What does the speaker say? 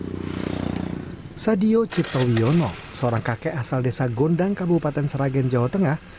bah sadio ciptawiono seorang kakek asal desa gondang kabupaten sragen jawa tengah